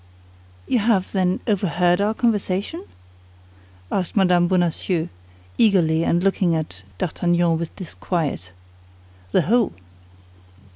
"You have, then, overheard our conversation?" asked Mme. Bonacieux, eagerly, and looking at D'Artagnan with disquiet. "The whole."